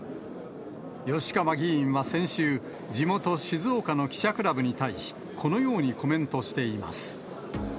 吉川議員は先週、地元、静岡の記者クラブに対し、このようにコメントしています。